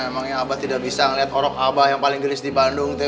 emangnya abah tidak bisa ngeliat horok abah yang paling gelis di bandung teh